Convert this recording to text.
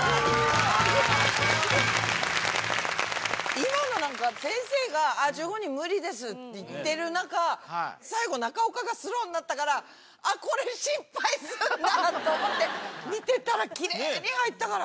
今のなんか先生が「１５人無理です」って言ってる中最後中岡がスローになったからあっこれ失敗するんだと思って見てたらきれいに入ったから！